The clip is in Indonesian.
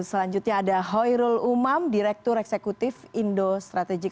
selanjutnya ada hoyrul umam direktur eksekutif indo strategik